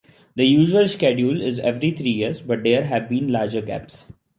The usual schedule is every three years, but there have been larger gaps.